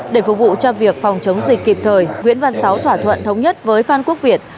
để phục vụ cho việc phòng chống dịch kịp thời nguyễn văn sáu thỏa thuận thống nhất với phan quốc việt